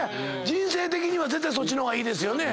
人生的には絶対そっちの方がいいですよね。